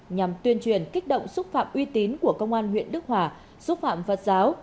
nhằm tuyên truyền kích động xúc phạm uy tín của công an huyện đức hòa xúc phạm phật giáo